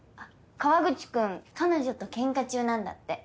河口君彼女とケンカ中なんだって。